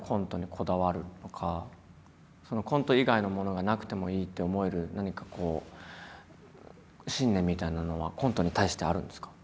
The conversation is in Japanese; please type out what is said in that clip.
コント以外のものがなくてもいいって思える何かこう信念みたいなのはコントに対してあるんですか？